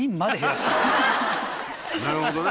なるほどね。